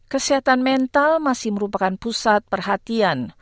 kesehatan mental masih merupakan pusat perhatian